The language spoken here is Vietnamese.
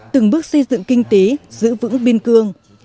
từng bước xây dựng kinh tế giữ vững biên cương